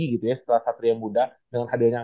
kurang enak juga ya